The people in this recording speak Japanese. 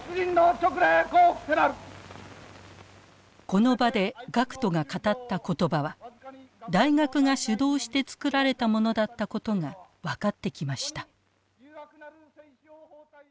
この場で学徒が語った言葉は大学が主導して作られたものだったことが分かってきました。